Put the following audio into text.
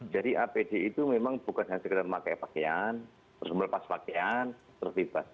jadi apd itu memang bukan hanya sekedar memakai pakaian terus melepas pakaian terus bebas